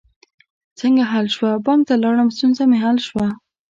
څنګه حل شوه؟ بانک ته لاړم، ستونزه می حل شوه